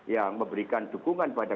yang memberikan dukungan pada